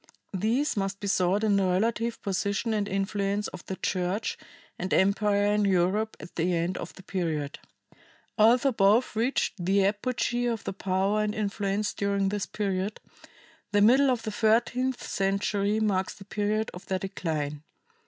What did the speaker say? These must be sought in the relative position and influence of the Church and empire in Europe at the end of the period. Although both reached the apogee of their power and influence during this period, the middle of the thirteenth century marks the period of their decline.